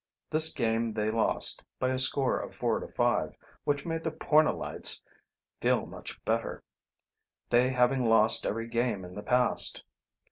This game they lost, by a score of four to five, which made the Pornellites feel much better, they having lost every game in the past.